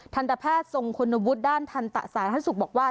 ทันตแพทย์ทรงคุณวุฒิด้านทันตะสาธารณสุขบอกว่า